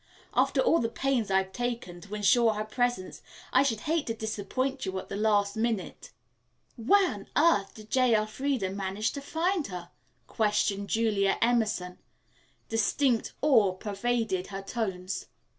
After all the pains I've taken to insure her presence, I should hate to disappoint you at the last minute." "Where on earth did J. Elfreda manage to find her?" questioned Julia Emerson. Distinct awe pervaded her tones.